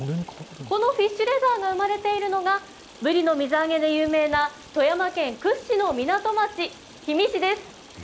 このフィッシュレザーが生まれているのが、ブリの水揚げで有名な富山県屈指の港町、氷見市です。